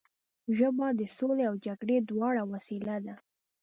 ژبه د سولې او جګړې دواړو وسیله ده